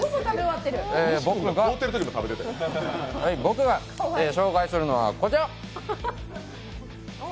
僕が紹介するのは、こちら！